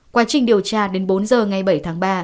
quá trình điều tra đến bốn h ngày bảy tháng ba